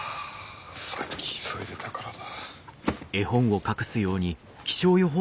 さっき急いでたからだ。